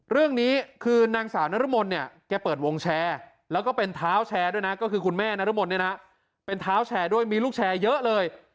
เรื่องนี้คือนางสาวนรมนเนี่ยแกเปิดวงแชร์แล้วก็เป็นเท้าแชร์ด้วยนะก็คือคุณแม่นรมนเนี่ยนะเป็นเท้าแชร์ด้วยมีลูกแชร์เยอะเลย